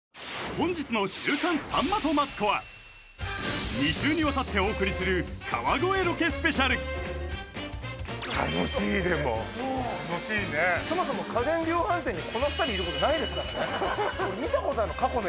本日の「週刊さんまとマツコ」は２週にわたってお送りする川越ロケスペシャル楽しいでも楽しいねそもそも家電量販店にこの２人いることないですからね俺見たことないもん